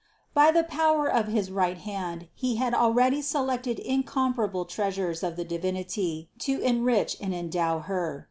By the power of his right hand He had already selected incomparable treasures of the Divinity to enrich and endow Her.